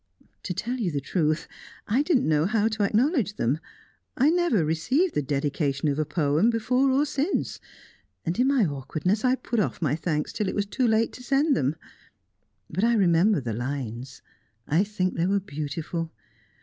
"To tell you the truth, I didn't know how to acknowledge them. I never received the dedication of a poem, before or since, and in my awkwardness I put off my thanks till it was too late to send them. But I remember the lines; I think they were beautiful.